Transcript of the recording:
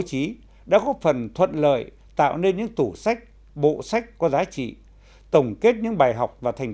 trí đã góp phần thuận lợi tạo nên những tủ sách bộ sách có giá trị tổng kết những bài học và thành